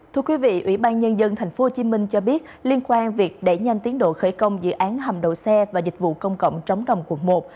thưa quý vị ủy ban nhân dân tp hcm cho biết liên quan việc đẩy nhanh tiến độ khởi công dự án hầm đầu xe và dịch vụ công cộng trống đồng quận một